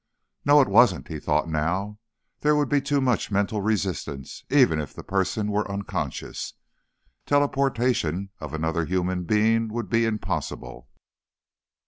No, it wasn't, he thought now. There would be too much mental resistance, even if the person were unconscious. Teleportation of another human being would be impossible.